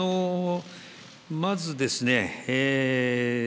まずですね